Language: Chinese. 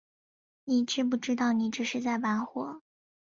你知不知道你这是在玩火